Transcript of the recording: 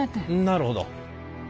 なるほど。